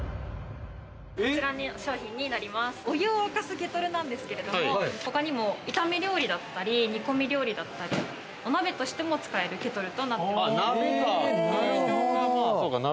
こちらの商品になります、お湯を沸かすケトルなんですけれども、他にも炒め料理だったり煮込み料理だったり、お鍋としても使えるケトルとなってます。